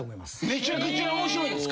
むちゃくちゃ面白いです。